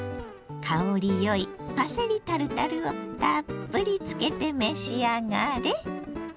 香りよいパセリタルタルをたっぷりつけて召し上がれ。